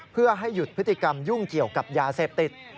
เพื่อให้หยุดพฤติกรรมยุ่งเกี่ยวกับยาเสพติด